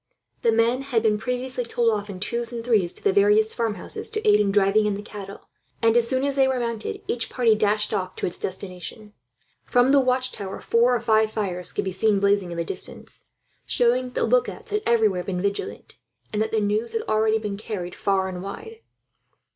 The men had been previously told off in twos and threes to the various farmhouses, to aid in driving in the cattle and, as soon as they were mounted, each party dashed off to its destination. From the watchtower four or five fires could be seen blazing in the distance, showing that the lookouts had everywhere been vigilant, and that the news had already been carried far and wide.